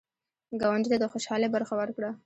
ګاونډي ته د خوشحالۍ برخه ورکړه